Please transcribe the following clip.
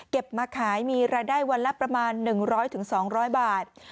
มาขายมีรายได้วันละประมาณ๑๐๐๒๐๐บาท